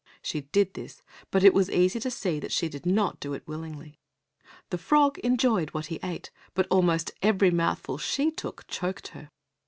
She did this, but it was easy to see that she did not do it willingly. The frog enjoyed what he ate, but almost every mouthful she took choked her.